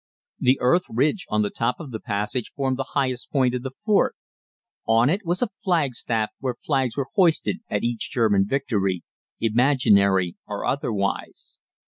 The earth ridge on the top of the passage formed the highest point in the fort. On it was a flagstaff where flags were hoisted at each German victory, imaginary or otherwise.